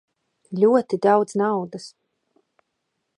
Ļoti daudz naudas.